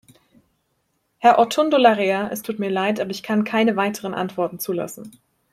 Herr Ortuondo Larrea, es tut mir Leid, aber ich kann keine weiteren Antworten zulassen.